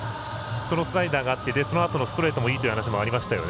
そのスライダーがあってそのあとのストレートもいいというお話がありましたよね。